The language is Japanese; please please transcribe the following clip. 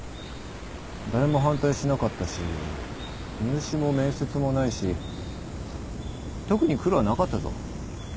誰も反対しなかったし入試も面接もないし特に苦労はなかったぞ。